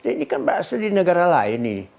ini kan berasal dari negara lain nih